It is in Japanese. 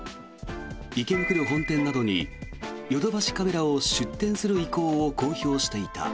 池袋本店などにヨドバシカメラを出店する意向を公表していた。